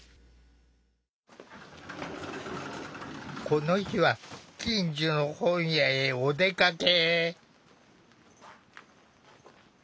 この日は近所の本屋へお出かけ。